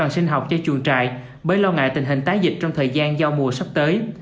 sinh học cho chuồng trại bởi lo ngại tình hình tái dịch trong thời gian giao mùa sắp tới